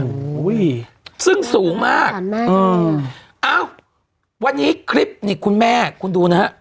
โอ้โหซึ่งสูงมากอืมอ้าววันนี้คลิปนี่คุณแม่คุณดูนะฮะ